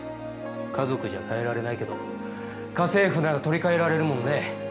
家族じゃ替えられないけど家政婦なら取り替えられるもんね。